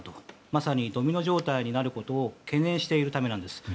まさに、ドミノ状態になることを懸念しているためなんです。